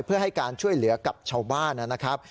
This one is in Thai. เพื่อให้การช่วยเหลือกับชาวบ้านนะครับ